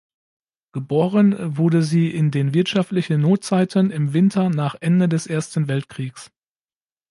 Geboren wurde sie in den wirtschaftlichen Notzeiten im Winter nach Ende des Ersten Weltkriegs.